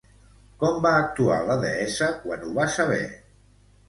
Com va actuar la deessa quan ho va saber?